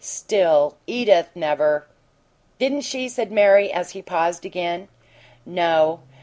Still, Edith never " "Didn't she?" said Mary, as he paused again. "No.